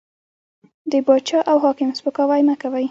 د باچا او حاکم سپکاوی مه کوئ!